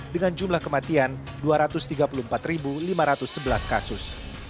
dengan jumlah kematian dua ratus tiga puluh empat lima ratus sebelas kasus